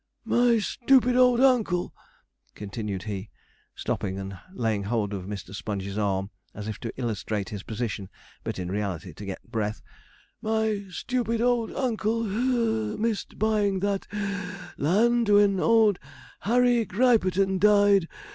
'My stoopid old uncle,' continued he, stopping, and laying hold of Mr. Sponge's arm, as if to illustrate his position, but in reality to get breath, 'my stoopid old uncle (puff) missed buying that (wheeze) land when old Harry Griperton died.